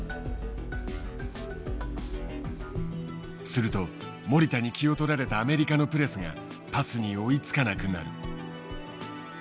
すると守田に気を取られたアメリカのプレスがパスに追いつかなくなる。